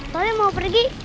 mbaknya mau pergi